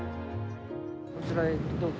こちらへどうぞ。